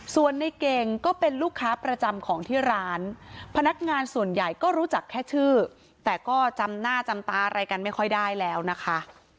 ส่วนในเก่งก็เป็นลูกค้าประจำของที่ร้านพนักงานส่วนใหญ่ก็รู้จักแค่ชื่อแต่ก็จำหน้าจำตาอะไรกันไม่ค่อยได้แล้วนะคะ